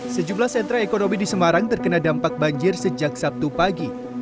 sejumlah sentra ekonomi di semarang terkena dampak banjir sejak sabtu pagi